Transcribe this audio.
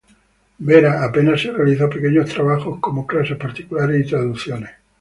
Vera apenas si realizó pequeños trabajos, como clases particulares y traducciones.